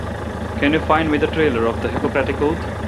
Can you find me the trailer of the Hippocratic Oath?